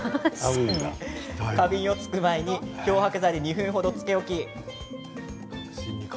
花瓶を使う前に漂白剤で２分程つけ置き。